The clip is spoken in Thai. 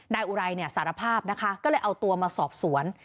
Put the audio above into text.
นายอุไรเนี่ยสารภาพนะคะก็เลยเอาตัวมาสอบสวน